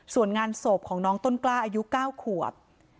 ส่วนงานศพของน้องต้นกล้าอายุ๙ขวบ